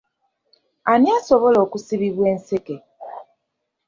Ani asobola okusibibwa enseke?